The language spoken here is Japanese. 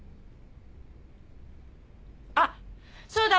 あっそうだ！